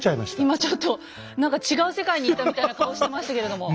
今ちょっと何か違う世界に行ったみたいな顔してましたけれども。